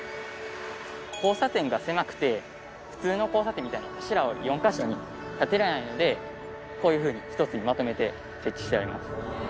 交差点が狭くて普通の交差点みたいに柱を４カ所に立てれないのでこういう風に１つにまとめて設置してあります。